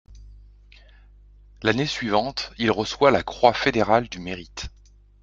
L’année suivante, il reçoit la Croix fédérale du Mérite.